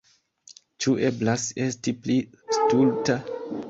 Ĉu eblas esti pli stulta?